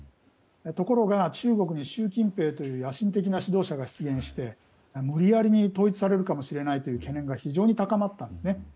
ところが、中国に習近平という野心的な指導者が出現して無理やりに統一されるかもしれないという懸念が非常に高まったんです。